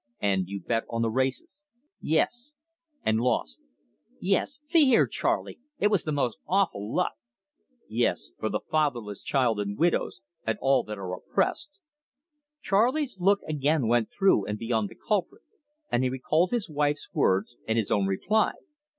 "And you bet on the races?" "Yes." "And lost?" "Yes. See here, Charley; it was the most awful luck " "Yes, for the fatherless children and widows, and all that are oppressed!" Charley's look again went through and beyond the culprit, and he recalled his wife's words and his own reply.